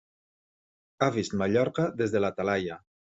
He vist Mallorca des de la Talaia!